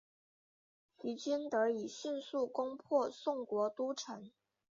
齐军得以迅速攻破宋国都城。